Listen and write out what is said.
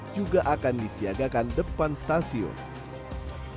juga akan disiagakan depan stasiun